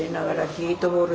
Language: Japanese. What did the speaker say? ゲートボール。